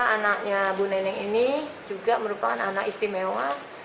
anaknya bu neneng ini juga merupakan anak istimewa